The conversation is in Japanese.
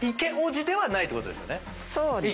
そうですね。